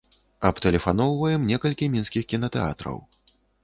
Абтэлефаноўваем некалькі мінскіх кінатэатраў.